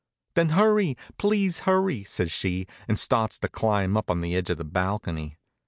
"Then hurry, please hurry!" says she, and starts to climb up on the edge of the balcony.